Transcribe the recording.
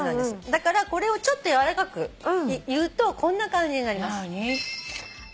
だからこれをちょっと柔らかく言うとこんな感じになります。